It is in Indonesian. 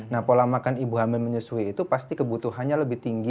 nah pola makan ibu hamil menyusui itu pasti kebutuhannya lebih tinggi